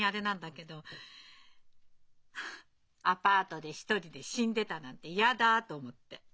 アパートで独りで死んでたなんて嫌だと思って。